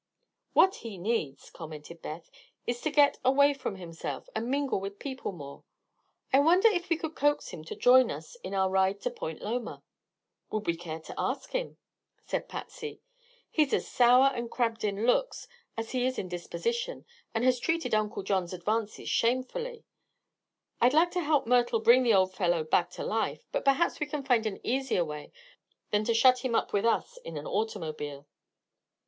"What he needs," commented Beth, "is to get away from himself, and mingle with people more. I wonder if we could coax him to join us in our ride to Point Loma." "Would we care to ask him?" said Patsy. "He's as sour and crabbed in looks as he is in disposition, and has treated Uncle John's advances shamefully. I'd like to help Myrtle bring the old fellow back to life; but perhaps we can find an easier way than to shut him up with us in an automobile."